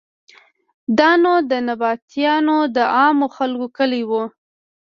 دا نو د نبطیانو د عامو خلکو کلی و.